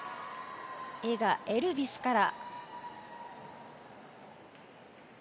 映画「エルビス」から。